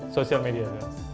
sosial media guys